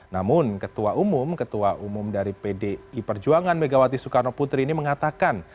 namun ketua umum ketua umum dari pdi perjuangan megawati soekarno putri ini mengatakan